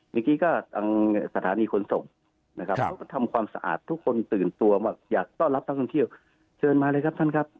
นิดนี้ก็สถานีขนส่งนะครับทำความสะอาดทุกคนตื่นตัวมาอยากต้อนรับทางที่เชิญมาเลยครับท่านครับ